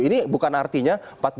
ini bukan artinya